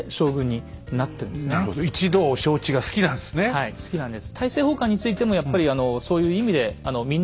はい好きなんです。